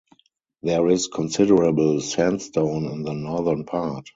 There is considerable sand-stone in the Northern Part.